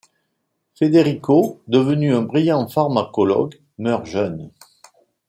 Federico, devenu un brillant pharmacologue, meurt jeune.